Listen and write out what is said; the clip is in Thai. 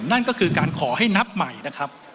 นั่นก็คือการขอให้นับใหม่นะครับ